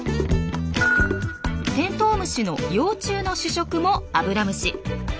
テントウムシの幼虫の主食もアブラムシ。